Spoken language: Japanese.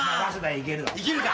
行けるか？